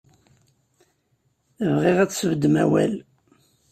Bɣiɣ ad tesbeddem awal.